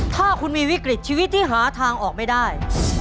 ถ้าคุณมีวิกฤตชีวิตที่หาทางออกไม่ได้